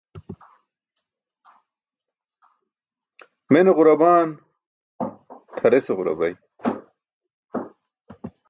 Mene ġurabaan? Tʰarese ġurabay.